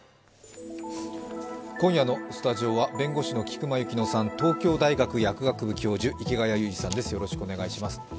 今夜のスタジオは、弁護士の菊間千乃さん、東京大学薬学部教授、池谷裕二さんです。